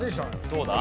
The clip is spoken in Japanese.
どうだ？